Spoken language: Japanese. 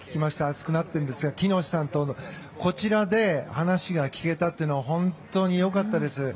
熱くなっているんですが喜熨斗さんとこちらで話が聞けたのは本当に良かったです。